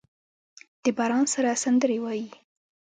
د باران سره سندرې وايي